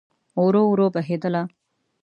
ورو، ورو بهیدله